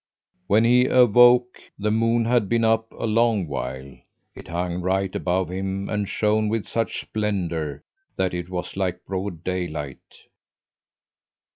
When he awoke the moon had been up a long while. It hung right above him and shone with such splendour that it was like broad daylight.